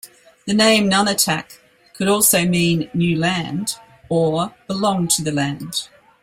The name "Nunatak" could also mean "new land" or "belong to the land.